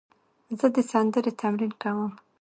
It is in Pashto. زه د سندرې تمرین کوم.